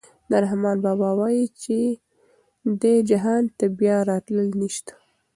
رحمان بابا وايي چې دې جهان ته بیا راتلل نشته.